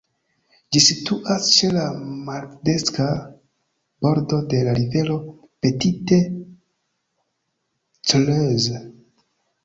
Ĝi situas ĉe la maldekstra bordo de la rivero Petite Creuse.